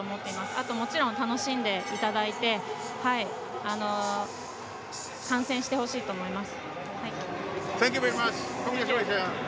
あともちろん楽しんでいただいて観戦してほしいなと思います。